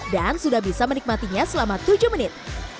dan sudah bisa menikmatinya selama tujuh menit